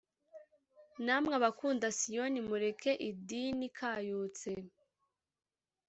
Namw' abakunda Siyoni, Murek' idin' ikayutse;